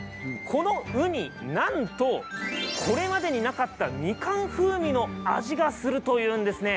このウニ、なんとこれまでになかったみかん風味の味がするというんですね。